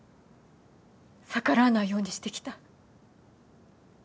逆らわないようにしてきた。